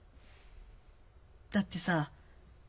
だってさ